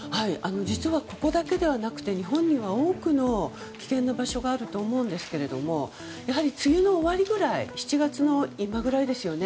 実は、ここだけではなくて日本には多くの危険な場所があると思うんですけれどもやはり、梅雨の終わりぐらい７月の今ぐらいですよね。